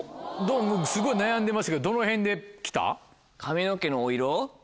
すごい悩んでましたけどどのへんで来た？